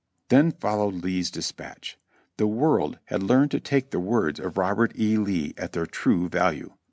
Then followed Lee's dispatch. The world had learned to take the words of Robert E. Lee at their true value.